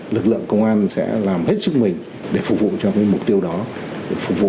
lực lượng công an sẽ làm hết sức mình để phục vụ cho mục tiêu đó để phục vụ